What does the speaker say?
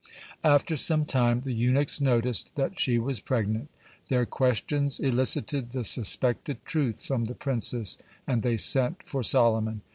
After some time the eunuchs noticed that she was pregnant. Their questions elicited the suspected truth from the princess, and they sent for Solomon.